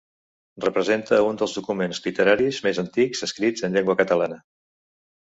Representa un dels documents literaris més antics escrits en llengua catalana.